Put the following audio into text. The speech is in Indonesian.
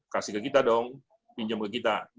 kasih ke kita dong pinjam ke kita